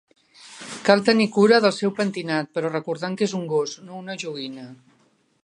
Cal tenir cura del seu pentinat, però recordant que és un gos, no una joguina.